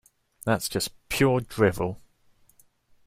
That's just pure drivel!